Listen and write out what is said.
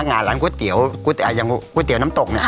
เยอะมากคือเครื่องแน่นมากอะ